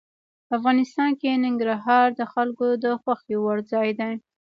افغانستان کې ننګرهار د خلکو د خوښې وړ ځای دی.